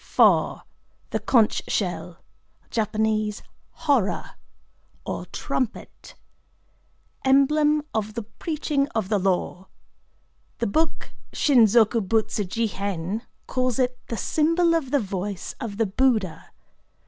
IV.—The Conch Shell (Jap. "Hora") or Trumpet. Emblem of the preaching of the Law. The book Shin zoku butsu ji hen calls it the symbol of the voice of the Buddha.